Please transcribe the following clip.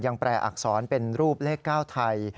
แปลอักษรเป็นรูปเลข๙ไทย